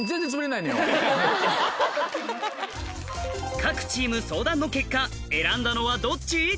各チーム相談の結果選んだのはどっち？